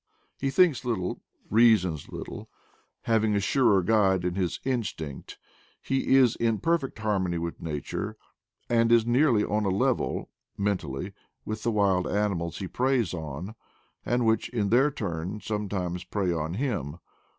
He thinks little, reasons little, having a surer guide in his instinct; he is in perfect har mony with nature, and is nearly on a level, men tally, with the wild animals he preys on, and which in their turn sometimes prey on him.